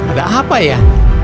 ada apa ya